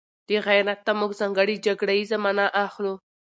له غيرت نه موږ ځانګړې جګړه ييزه مانا اخلو